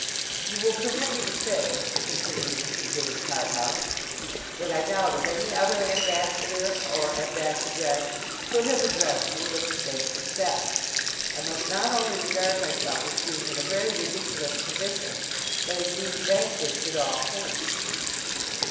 'You will permit me to say,' continued Mr. James Harthouse, 'that I doubt if any other ambassador, or ambassadress, could have addressed me with the same success. I must not only regard myself as being in a very ridiculous position, but as being vanquished at all points.